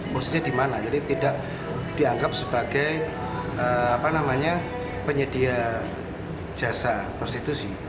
posisinya di mana jadi tidak dianggap sebagai penyedia jasa prostitusi